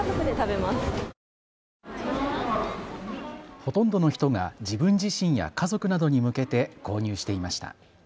ほとんどの人が自分自身や家族などに向けて購入していました。